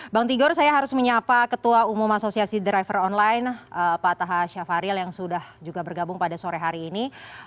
bang tigor saya harus menyapa ketua umum asosiasi driver online pak taha syafaril yang sudah juga bergabung pada sore hari ini